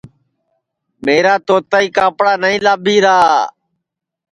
میرا توتائی کاپڑا نائی لابھی را